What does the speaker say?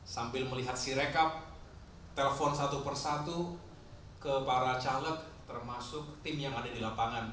sambil melihat sirekap telepon satu persatu ke para caleg termasuk tim yang ada di lapangan